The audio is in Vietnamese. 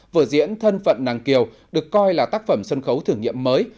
vở diễn thân phận nàng kiều được coi là tác phẩm sân khấu thử nghiệm mới